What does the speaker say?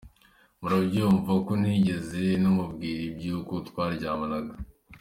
Murabyumva ko ntigeze namubwira iby’uko twaryamanaga.